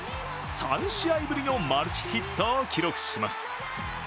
３試合ぶりのマルチヒットを記録します。